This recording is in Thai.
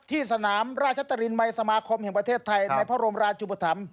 ที่สนามราชตรินมัยสมาคมแห่งประเทศไทยในพระบรมราชุปธรรม